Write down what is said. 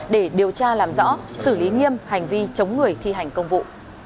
để điều tra làm rõ xử lý nghiêm hành vi chống người thi hành công vụ